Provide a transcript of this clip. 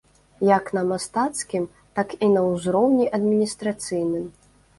Як на мастацкім, так і на ўзроўні адміністрацыйным.